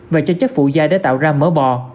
và cho chất phụ dai để tạo ra mỡ bò